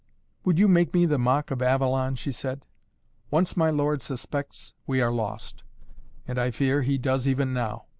"Would you make me the mock of Avalon?" she said. "Once my lord suspects we are lost. And, I fear, he does even now.